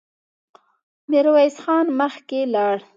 ميرويس خان مخکې لاړ.